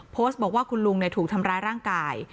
โพสต์บอกว่าคุณลุงถูกทำร้ายร่างกาย